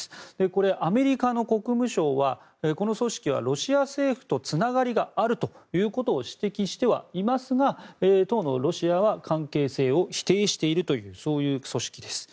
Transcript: これ、アメリカの国務省はこの組織はロシア政府とつながりがあるということを指摘してはいますが当のロシアは関係性を否定しているという組織です。